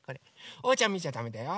おうちゃんみちゃだめだよ。